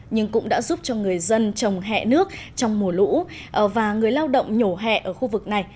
nhưng cũng đã giúp cho người dân trồng hẹ nước trong mùa lũ và người lao động nhổ hẹ ở khu vực này